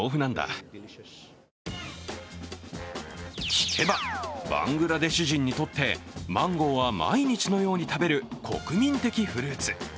聞けばバングラデシュ人にとってマンゴーは毎日のように食べる国民的フルーツ。